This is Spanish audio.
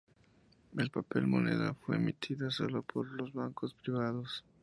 El papel moneda fue emitida sólo por los bancos privados.